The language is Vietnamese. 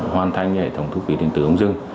hoàn thành hệ thống thu phí điện tử không dừng